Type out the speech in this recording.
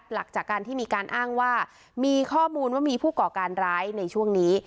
หลักจากการที่มีการอ้างว่ามีข้อมูลว่ามีผู้ก่อการร้ายในช่วงนี้